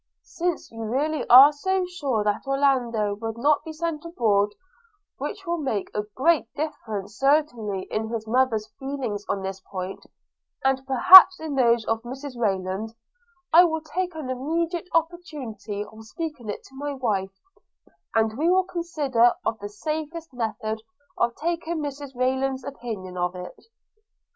Since you really are so sure that Orlando would not be sent abroad, which will make a great difference certainly in his mother's feelings on this point, and perhaps in those of Mrs Rayland, I will take an immediate opportunity of speaking of it to my wife, and we will consider of the safest method of taking Mrs Rayland's opinion upon it.